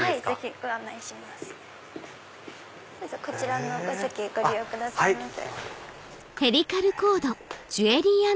こちらのお席ご利用くださいませ。